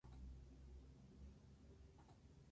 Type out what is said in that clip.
Su hermana mayor era la actriz Natalie Wood.